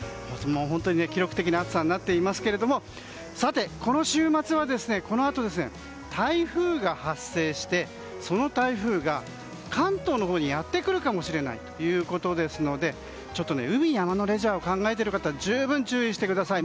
本当に記録的な暑さになっていますがこの週末はこのあと、台風が発生してその台風が関東のほうにやってくるかもしれないということですのでちょっと海や山のレジャーを考えている方は十分、注意してください。